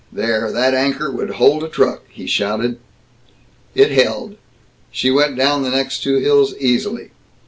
"There! That anchor would hold a truck!" he shouted. It held. She went down the next two hills easily.